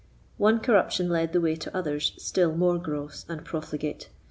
One corruption led the way to others still more gross and profligate.